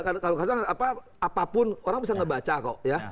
kalau kata orang bisa ngebaca kok ya